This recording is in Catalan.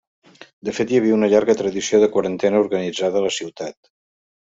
De fet, hi havia una llarga tradició de Quarantena organitzada a la ciutat.